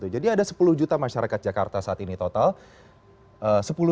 jadi ada sepuluh juta masyarakat jakarta saat ini total